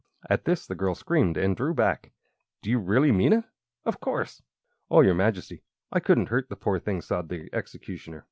At this the girl screamed and drew back. "Do you really mean it?" "Of course." "Oh, your Majesty, I couldn't hurt the poor thing!" sobbed the Executioner.